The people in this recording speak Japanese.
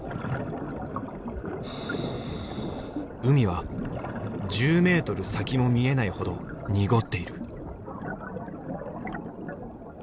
海は１０メートル先も見えないほど濁っている。